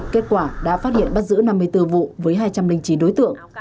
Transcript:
kết quả đã phát hiện bắt giữ năm mươi bốn vụ với hai trăm linh chín đối tượng